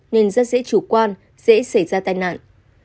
nên rất dễ chủ quan dễ xảy ra tai nạn